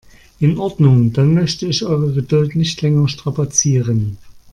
In Ordnung, dann möchte ich eure Geduld nicht länger strapazieren.